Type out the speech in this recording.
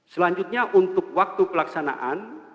selanjutnya untuk waktu pelaksanaan